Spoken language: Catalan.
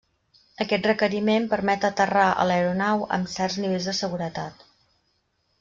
Aquest requeriment permet aterrar a l'aeronau amb certs nivells de seguretat.